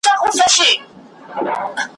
یو څو ورځي په کلا کي ورته تم سو `